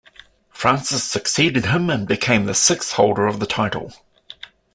Frances succeeded him and became the sixth holder of the title.